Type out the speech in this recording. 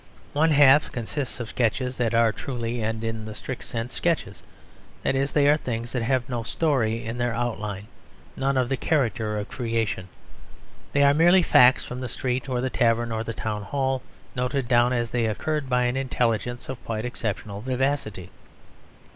One half consists of sketches that are truly and in the strict sense sketches. That is, they are things that have no story and in their outline none of the character of creation; they are merely facts from the street or the tavern or the town hall, noted down as they occurred by an intelligence of quite exceptional vivacity.